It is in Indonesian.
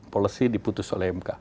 policy diputus oleh mk